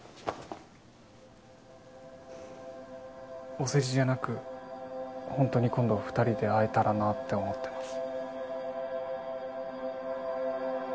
お世辞じゃなくほんとに今度二人で会えたらなって思ってます。